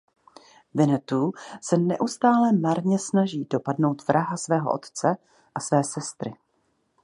Vinnetou se neustále marně snaží dopadnout vraha svého otce a své sestry.